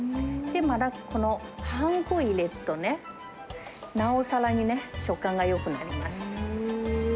このパン粉を入れるとね、なおさらにね、食感がよくなります。